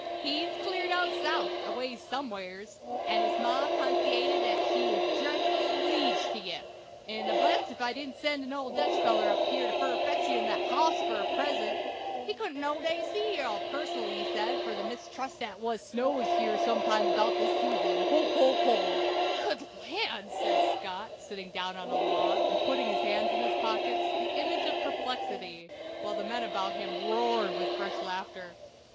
"He's cleared out South aways some'eres, and his ma consaited she was dredful obleeged to ye; 'n I'm blessed if she didn't send an old Dutch feller up here fur to fetch ye that hoss fur a present. He couldn't noways wait to see ye pus'nally, he sed, fur he mistrusted the' was snows here sometimes 'bout this season. Ho! ho! ho!" "Good land!" said Scott, sitting down on a log, and putting his hands in his pockets, the image of perplexity, while the men about him roared with fresh laughter.